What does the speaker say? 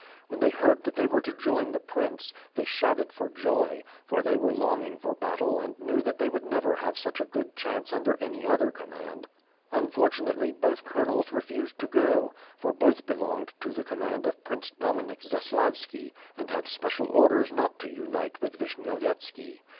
When they heard that they were to join the prince, they shouted for joy; for they were longing for battle and knew that they would never have such a good chance under any other command. Unfortunately, both colonels refused to go; 353 23 354 ^^^^^^^^^^^ /fifWOUD. for both belonged to the command of Prince Dominik Zas lavski and had special orders not to unite with Vishnyovyetski.